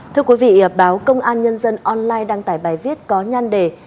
thưa quý vị báo công an nhân dân online đăng tải bài viết có nhan đề